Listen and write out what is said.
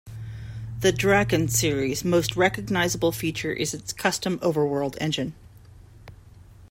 The "Drakkhen" series' most recognizable feature is its custom overworld engine.